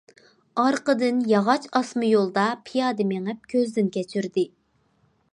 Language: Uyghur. ئارقىدىن ياغاچ ئاسما يولدا پىيادە مېڭىپ كۆزدىن كەچۈردى.